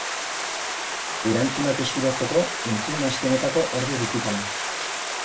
Erantzunak eskuratzeko, entzun aste honetako ordu digitala.